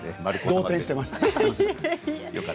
動転していました。